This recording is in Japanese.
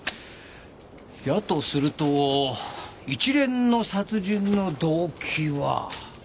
やとすると一連の殺人の動機は。